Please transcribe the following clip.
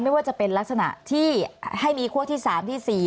ไม่ว่าจะเป็นลักษณะที่ให้มีคั่วที่๓ที่๔